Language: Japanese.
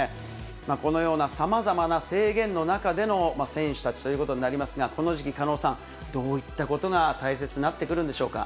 このようなさまざまな制限の中での選手たちということになりますが、この時期、狩野さん、どういったことが大切になってくるんでしょうか。